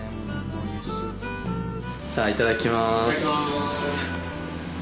じゃあいただきます！